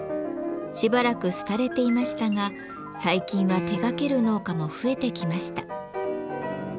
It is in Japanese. しばらく廃れていましたが最近は手がける農家も増えてきました。